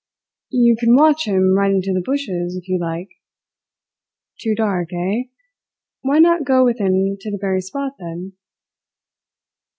"You can watch him right into the bushes, if you like. Too dark, eh? Why not go with him to the very spot, then?"